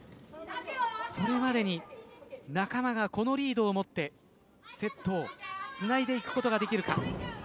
それまでに仲間がこのリードを持ってセットをつないでいくことができるか。